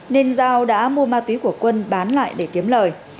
nên giao đã mua ma túy của quân bán lại để kiếm lời